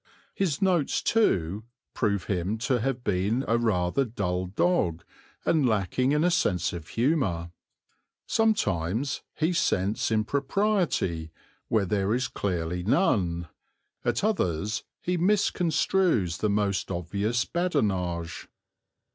His notes, too, prove him to have been a rather dull dog and lacking in a sense of humour. Sometimes he scents impropriety where there is clearly none, at others he misconstrues the most obvious badinage.